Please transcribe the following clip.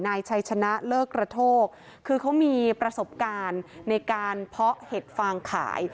นายชัยชนะเลิกกระโทกคือเขามีประสบการณ์ในการเพาะเห็ดฟางขาย